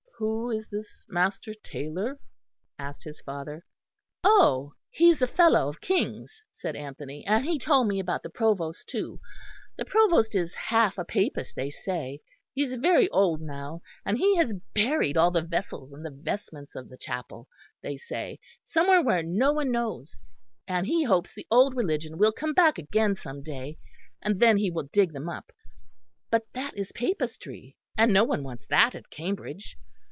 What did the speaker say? "Who is this Master Taylor?" asked his father. "Oh! he is a Fellow of King's," said Anthony, "and he told me about the Provost too. The Provost is half a Papist, they say: he is very old now, and he has buried all the vessels and the vestments of the Chapel, they say, somewhere where no one knows; and he hopes the old religion will come back again some day; and then he will dig them up. But that is Papistry, and no one wants that at Cambridge.